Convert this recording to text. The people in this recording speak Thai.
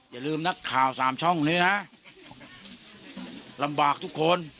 อย่าลืมนักข่าวสามช่องนี้นะลำบากทุกคน